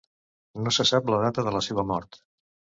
No se sap la data de la seva mort.